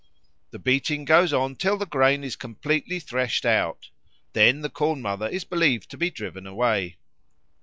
The beating goes on till the grain is completely threshed out; then the Corn mother is believed to be driven away.